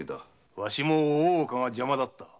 わしも大岡が邪魔だった。